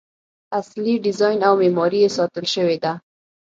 اصلي ډیزاین او معماري یې ساتل شوې ده.